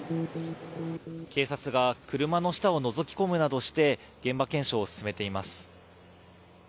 警察が車の下をのぞき込むなどして現場検証を進めています。